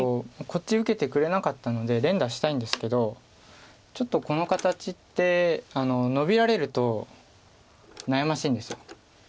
こっち受けてくれなかったので連打したいんですけどちょっとこの形ってノビられると悩ましいんです。